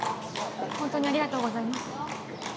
ホントにありがとうございます。